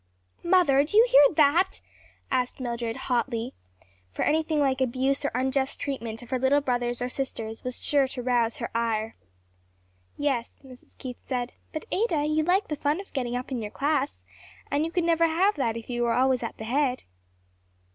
"Mother, do you hear that?" asked Mildred, hotly; for anything like abuse or unjust treatment of her little brothers or sisters was sure to rouse her ire. "Yes," Mrs. Keith said, "but Ada, you like the fun of getting up in your class, and you could never have that if you were always at the head."